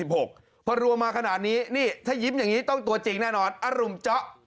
พอรวมมาขนาดนี้นี่ถ้ายิ้มอย่างนี้ต้องตัวจริงแน่นอนอรุมเจาะ